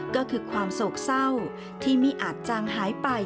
ก็คือความโศกเศร้าที่ไม่อาจจางหายไป